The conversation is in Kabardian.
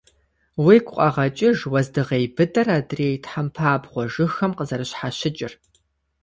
Уигу къэгъэкӀыж уэздыгъей быдэр адрей тхьэмпабгъуэ жыгхэм къазэрыщхьэщыкӀыр.